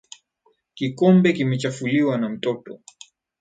Kikombe kimechafuliwa na mtoto.